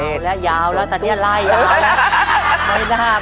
เอาละยาวแล้วแต่นี่ลายยาวแล้ว